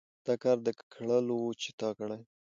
دا کار د کړلو وو چې تا کړى.